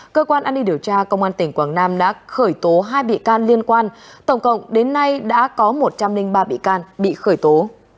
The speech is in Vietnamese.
cơ quan an ninh điều tra công an tỉnh quảng nam đã khởi tố hai bị can liên quan tổng cộng đến nay đã có một trăm linh ba bị can bị khởi tố